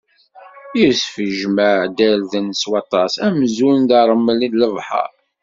Yusef ijemɛ-d irden s waṭas, amzun d ṛṛmel n lebḥeṛ.